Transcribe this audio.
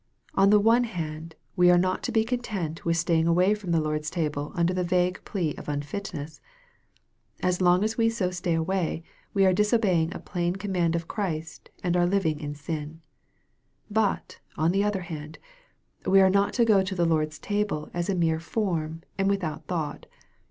On the one hand, we are not to be content with staying away from the Lord's table under the vague plea of unfitness. As long as we so stay away, we are disobeying a plain command of Christ, and are living in sin. But, on the other hand, we are not to go to the Lord's table as a mere form, and without thought.